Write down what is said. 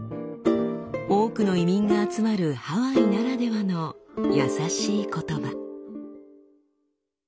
多くの移民が集まるハワイならではの優しい言葉。